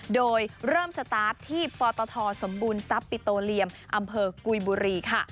โดยเริ่มสตาร์ทที่ปตทสมบูรณทรัพย์ปิโตเรียมอำเภอกุยบุรีค่ะ